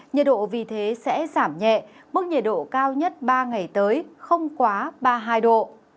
nhiệt độ vì thế sẽ giảm nhẹ mức nhiệt độ cao nhất ba ngày tới không quá ba mươi hai độ